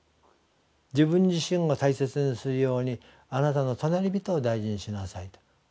自分自身を大切にするようにあなたの隣人を大事にしなさいと。